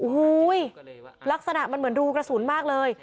โอ้โหลักษณะมันเหมือนรูกระสุนมากเลย